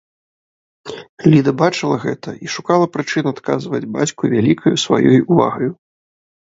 Ліда бачыла гэта і шукала прычын адказваць бацьку вялікаю сваёй увагаю.